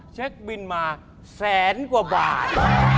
เช็คบินมาแสนกว่าบาท